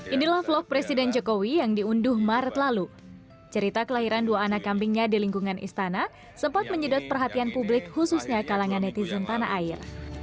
inilah vlog presiden jokowi yang diunduh maret lalu cerita kelahiran dua anak kambingnya di lingkungan istana sempat menyedot perhatian publik khususnya kalangan netizen tanah air